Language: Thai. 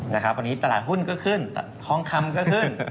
นะครับวันนี้ตลาดหุ้นก็ขึ้นทองคำก็ขึ้น